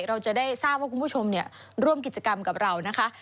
เราจะได้ทราบว่าคุณผู้ชมร่วมกิจกรรมกับเรานะคะ